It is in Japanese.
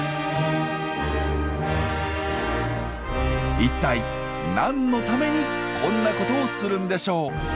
一体何のためにこんなことをするんでしょう？